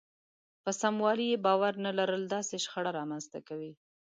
په سموالي يې باور نه لرل داسې شخړه رامنځته کوي.